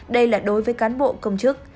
đây là đối với cán bộ công chức